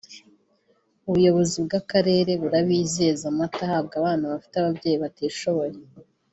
ubuyobozi bw’akarere burabizeza amata ahabwa bana bafite ababyeyi batishoboye